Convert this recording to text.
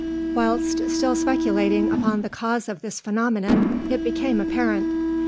Whilst still speculating upon the cause of this phenomenon, it became apparent.